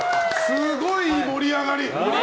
すごい盛り上がり！